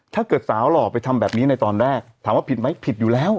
ถ้าเกิดสาวหล่อไปทำแบบนี้ในตอนแรกถามว่าผิดไหมผิดอยู่แล้ว